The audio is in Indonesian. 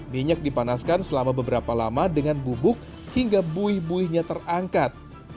minyak dipanaskan selama beberapa lama dengan bubuk hingga buih buihnya terangkat